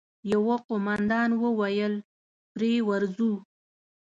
يوه قوماندان وويل: پرې ورځو!